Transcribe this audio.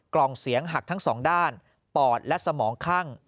กล่องเสียงหักทั้งสองด้านปอดและสมองคั่ง